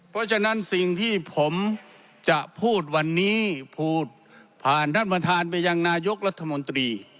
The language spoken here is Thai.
เพราะฉะนั้นสิ่งที่ผมจะพูดวันนี้พูดผ่านท่านประธานไปยังนายกรัฐมนตรี